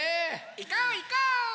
いこういこう！